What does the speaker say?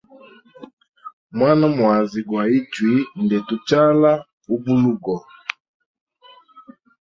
Mwana mwazi gwa ichwi nde muchala ubulugo.